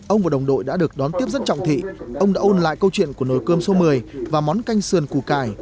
ông và đồng đội đã được đón tiếp rất trọng thị ông đã ôn lại câu chuyện của nồi cơm số một mươi và món canh sườn cù cải